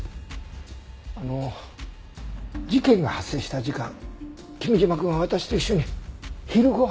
あの事件が発生した時間君嶋くんは私と一緒に昼ご飯を食べてました。